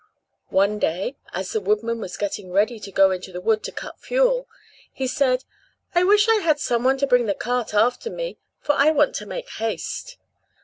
One day, as the woodman was getting ready to go into the wood to cut fuel, he said, "I wish I had some one to bring the cart after me, for I want to make haste."